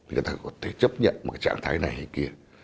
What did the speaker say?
người ta có thể chấp nhận một cái trạng thái này hay kia